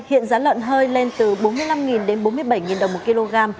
hiện giá lợn hơi lên từ bốn mươi năm đến bốn mươi bảy đồng một kg